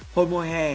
hồi mùa hè